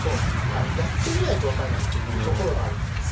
やってみないとわからないというところがあるんですね。